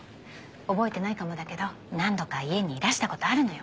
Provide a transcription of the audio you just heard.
覚えてないかもだけど何度か家にいらした事あるのよ。